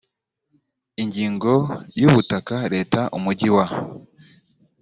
ingingo ya ubutaka leta umujyi wa